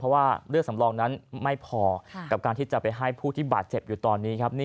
เพราะว่าเลือดสำรองนั้นไม่พอกับการที่จะไปให้ผู้ที่บาดเจ็บอยู่ตอนนี้ครับ